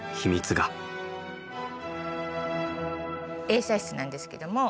映写室なんですけども。